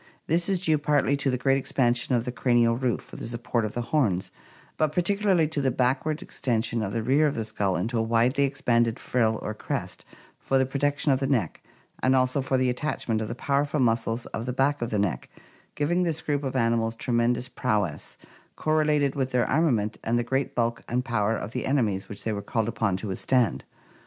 This is due partly to the great expansion of the cranial 528 ORGANIC EVOLUTION roof for the support of the horns, but particularly to the backward extension of the rear of the skull into a widely expanded frill or crest for the protection of the neck, and also for the attachment of the powerful muscles of the back of the neck, giving this group of animals tremendous prowess, correlated with their armament and the great bulk and power of the enemies which they were called ui*>n to withstand.